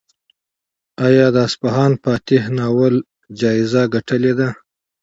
ایا د اصفهان فاتح ناول جایزه ګټلې ده؟